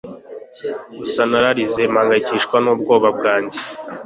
gusa nararize mpangayikishwa n'ubwoba bwanjye